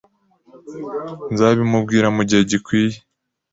Nzabimubwira mugihe gikwiye.